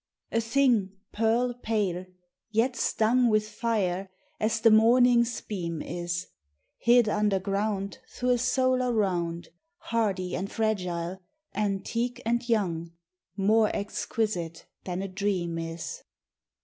A thing pearl pale, yet stung With fire, as the morning's beam is; Hid underground thro' a solar round, Hardy and fragile, antique and young, More exquisite than a dream is.